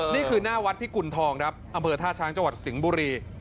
นี่คือหน้าวัดพิกุณฑองครับอำเภอท่าช้างจังหวัดสิงห์บุรี